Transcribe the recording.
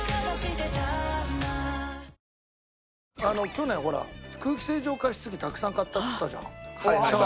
去年ほら空気清浄加湿機たくさん買ったっつったじゃんＳＨＡＲＰの。